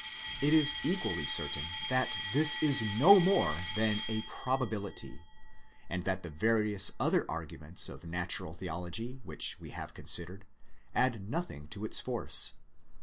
It is equally certain that this is no more than a probability; and that the various other arguments of Natural Theology which we have considered, add nothing to its force.